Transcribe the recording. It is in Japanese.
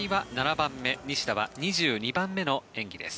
番目西田は２２番目の演技です。